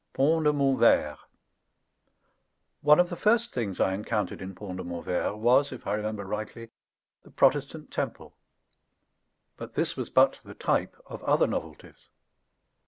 PONT DE MONTVERT One of the first things I encountered in Pont de Montvert was, if I remember rightly, the Protestant temple; but this was but the type of other novelties.